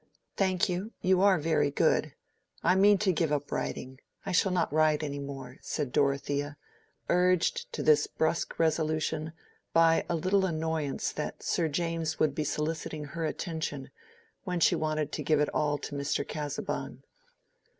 "Thank you, you are very good. I mean to give up riding. I shall not ride any more," said Dorothea, urged to this brusque resolution by a little annoyance that Sir James would be soliciting her attention when she wanted to give it all to Mr. Casaubon.